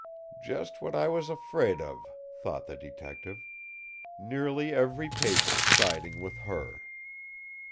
"Just what I was afraid of," thought the detective. "Nearly every paper siding with her!"